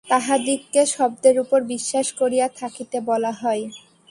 তাহাদিগকে শব্দের উপর বিশ্বাস করিয়া থাকিতে বলা হয়।